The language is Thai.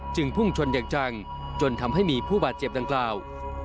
พุ่งชนอย่างจังจนทำให้มีผู้บาดเจ็บดังกล่าว